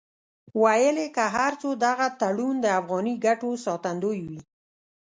ویل یې که هر څو دغه تړون د افغاني ګټو ساتندوی وي.